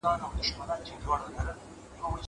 زه اوږده وخت مړۍ پخوم.